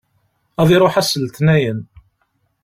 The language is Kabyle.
Ad iṛuḥ ass n letnayen.